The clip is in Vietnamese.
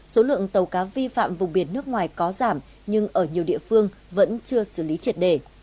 số lượng tàu cá vi phạm vùng biển nước ngoài có giảm nhưng ở nhiều địa phương vẫn chưa xử lý triệt đề